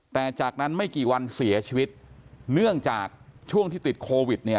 แต่จากนั้นไม่กี่วันเสียชีวิตเนื่องจากช่วงที่ติดโควิดเนี่ย